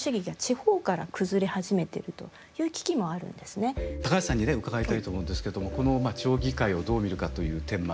ところが高橋さんにね伺いたいと思うんですけどもこの地方議会をどう見るかという点もありますね。